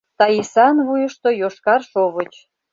Таисан вуйышто йошкар шовыч.